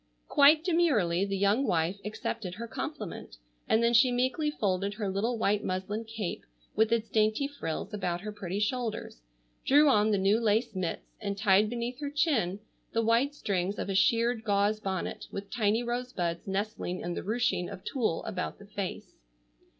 Quite demurely the young wife accepted her compliment, and then she meekly folded her little white muslin cape with its dainty frills about her pretty shoulders, drew on the new lace mitts, and tied beneath her chin the white strings of a shirred gauze bonnet with tiny rosebuds nestling in the ruching of tulle about the face.